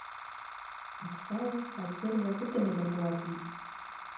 Аҡса ла, фатир ҙа, бөтәһе лә була, тинем.